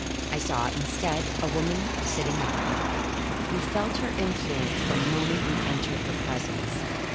I saw instead, a woman sitting up. You felt her influence the moment you entered her presence.